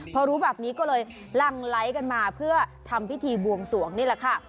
พอรู้แบบนี้ก็เลยลั่งไลค์กันมาเพื่อทำพิธีบวงสวงนี่แหละค่ะ